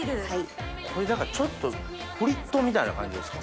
これだからフリットみたいな感じですか？